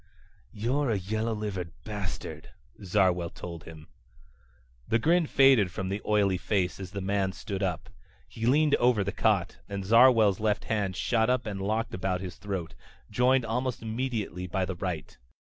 "You're a yellow livered bastard," Zarwell told him. The grin faded from the oily face as the man stood up. He leaned over the cot and Zarwell's left hand shot up and locked about his throat, joined almost immediately by the right.